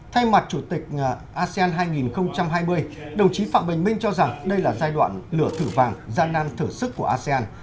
thay mặt chủ tịch asean hai nghìn hai mươi đồng chí phạm bình minh cho rằng đây là giai đoạn lửa thử vàng gian nan thử sức của asean